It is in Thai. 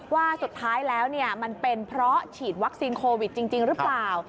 ว่าสุดท้ายแล้วมันเป็นเพราะฉีดวัคซีนโควิดจริงหรือเปล่า